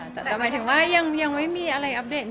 จะรีบบอกเลยค่ะถ้ามีก็อยากบอกค่ะ